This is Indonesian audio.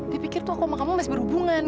dia pikir tuh aku sama kamu masih berhubungan